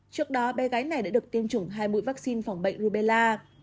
trước đó bé gái này đã được tiêm chủng hai mũi vaccine phòng bệnh rubella